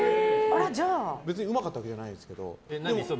別にうまかったわけじゃないですけど。